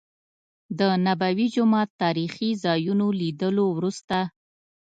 د نبوي جومات تاريخي ځا يونو لیدلو وروسته.